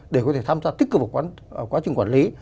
để có thể tham gia tích cực vào quá trình quản lý